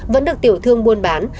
vẫn được tiểu thương buôn bán